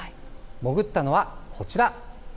潜ったのはこちら。